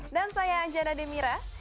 dan saya anjana demira